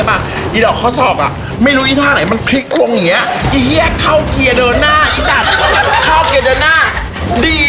เบรกก็จะไปคันเร่งหรือเบรกก็จะไปอย่างงี้อย่างงี้